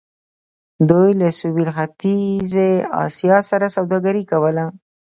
دوی له سویل ختیځې اسیا سره سوداګري کوله.